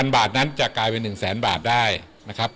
บาทนั้นจะกลายเป็น๑แสนบาทได้นะครับ